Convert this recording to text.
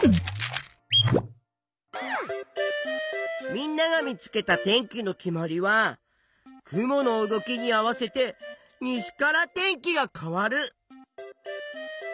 みんなが見つけた天気の決まりは雲の動きに合わせて西から天気が変わる。